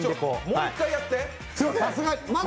もう１回やって。